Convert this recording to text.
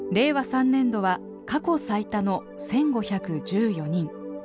３年度は過去最多の１，５１４人。